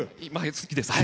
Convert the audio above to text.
好きです。